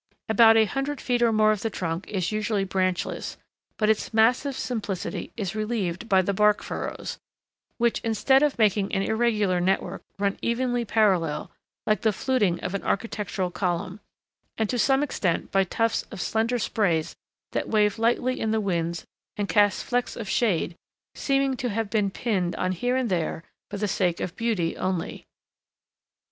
About a hundred feet or more of the trunk is usually branchless, but its massive simplicity is relieved by the bark furrows, which instead of making an irregular network run evenly parallel, like the fluting of an architectural column, and to some extent by tufts of slender sprays that wave lightly in the winds and cast flecks of shade, seeming to have been pinned on here and there for the sake of beauty only.